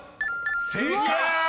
［正解！］